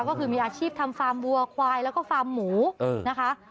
ก็คือมีอาชีพทำฟาร์มวัวควายแล้วก็ฟาร์มหมูนะคะ